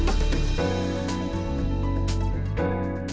untuk menjaga lingkungan